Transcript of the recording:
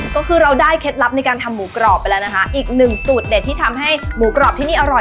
ก็คือเราได้เคล็ดลับในการทำหมูกรอบไปแล้วนะคะอีกหนึ่งสูตรเด็ดที่ทำให้หมูกรอบที่นี่อร่อย